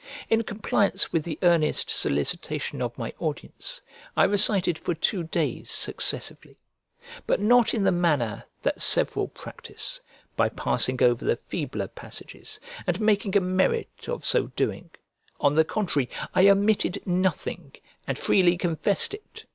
In compliance with the earnest solicitation of my audience, I recited for two days successively; but not in the manner that several practise, by passing over the feebler passages, and making a merit of so doing: on the contrary, I omitted nothing, and freely confessed it.